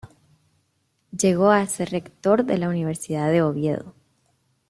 Llegó a ser rector de la universidad de Oviedo.